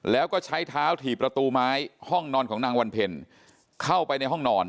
แล้วก็ใช้เท้าถีบประตูไม้ห้องนอนของนางวันเพ็ญเข้าไปในห้องนอน